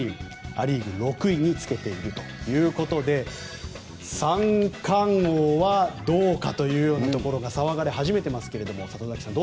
ア・リーグ６位につけているということで三冠王はどうかというようなところが騒がれ始めていますが里崎さん